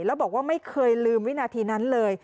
แล้วบอกว่าไม่เคยลืมวินาทีนั้นเลย